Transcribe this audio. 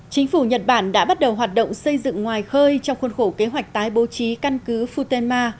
chính phủ nhật bản đã bắt đầu hoạt động xây dựng ngoài khơi trong khuôn khổ kế hoạch tái bố trí căn cứ futenma